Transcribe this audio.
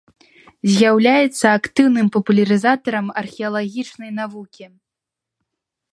З'яўляецца актыўным папулярызатарам археалагічнай навукі.